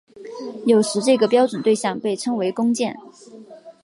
有时这个标准对像被称为工件。